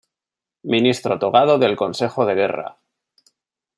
Ministro togado del Consejo de Guerra.